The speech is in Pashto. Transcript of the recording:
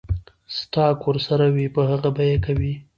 سټاک ورسره وي پۀ هغې به يې کوي ـ